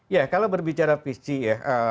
ya kalau berbicara visi ya